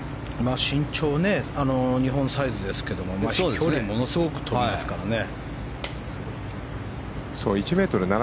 身長は日本サイズですけども飛距離ものすごく飛びますからね。